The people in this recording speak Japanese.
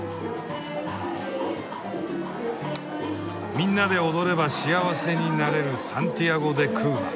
みんなで踊れば幸せになれるサンティアゴ・デ・クーバ。